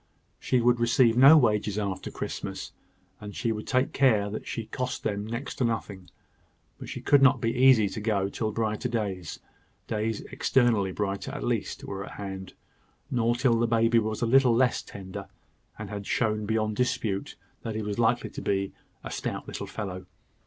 She would receive no wages after Christmas, and she would take care that she cost them next to nothing; but she could not be easy to go till brighter days days externally brighter, at least were at hand, nor till the baby was a little less tender, and had shown beyond dispute that he was likely to be a stout little fellow.